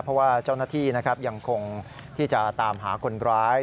เพราะว่าเจ้าหน้าที่นะครับยังคงที่จะตามหาคนร้าย